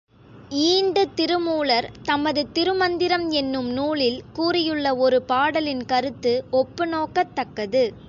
ஈண்டு திருமூலர் தமது திருமந்திரம் என்னும் நூலில் கூறியுள்ள ஒரு பாடலின் கருத்து ஒப்பு நோக்கத் தக்கது.